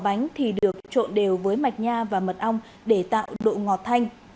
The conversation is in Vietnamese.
bánh trung thu rát vàng được trộn đều với mạch nha và mật ong để tạo độ ngọt thanh